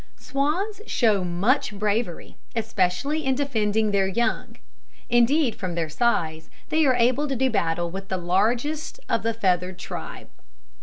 Swans show much bravery, especially in defending their young; indeed, from their size, they are able to do battle with the largest of the feathered tribe.